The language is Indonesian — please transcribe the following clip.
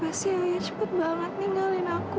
kenapa sih ayah cepat banget ninggalin aku